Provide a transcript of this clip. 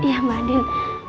ya mbak din